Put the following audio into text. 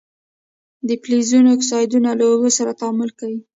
د فلزونو اکسایدونه له اوبو سره تعامل کوي.